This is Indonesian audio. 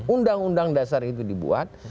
undang undang dasar itu dibuat